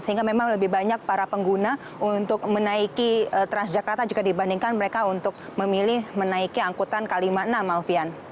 sehingga memang lebih banyak para pengguna untuk menaiki transjakarta jika dibandingkan mereka untuk memilih menaiki angkutan k lima puluh enam alfian